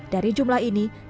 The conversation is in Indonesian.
dari jumlah ini